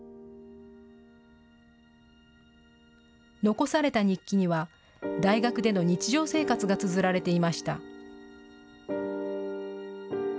残された日記には大学での日常生活がつづられていました。